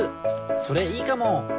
それいいかも！